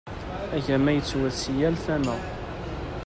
Agama yettwet si yal tama.